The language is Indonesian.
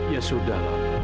ya sudah mak